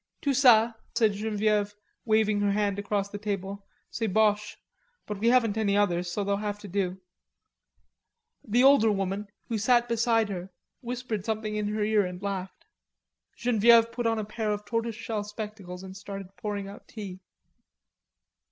"Tout ca," said Genevieve, waving her hand across the table, "c'est Boche.... But we haven't any others, so they'll have to do." The older woman, who sat beside her, whispered something in her ear and laughed. Genevieve put on a pair of tortoise shell spectacles and starting pouring out tea.